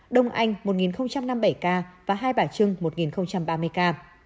đông anh một năm mươi bảy ca và hai bả trưng một ba mươi ca